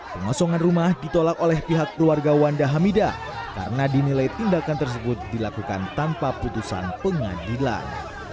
pengosongan rumah ditolak oleh pihak keluarga wanda hamida karena dinilai tindakan tersebut dilakukan tanpa putusan pengadilan